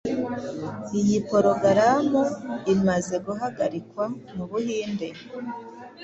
Iyi porogaramu imaze guhagarikwa mu Buhinde,